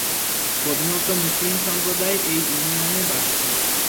প্রধানত মুসলিম সম্পদায় এই ইউনিয়নে বাস করে।